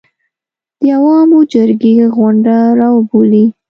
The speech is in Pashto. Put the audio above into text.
د عوامو جرګې غونډه راوبولي